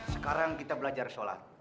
sekarang kita belajar sholat